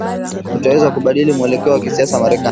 utaweza kubadili muelekeo wa kisiasa Marekani